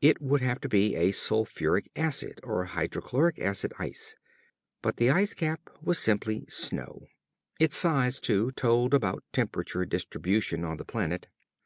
It would have to be sulphuric acid or hydrochloric acid ice. But the ice cap was simple snow. Its size, too, told about temperature distribution on the planet.